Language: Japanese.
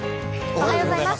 おはようございます。